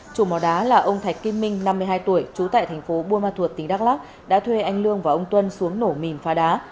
chủ mỏ đá là ông thạch kim minh năm mươi hai tuổi trú tại thành phố buôn ma thuột tỉnh đắk lắc đã thuê anh lương và ông tuân xuống nổ mìn phá đá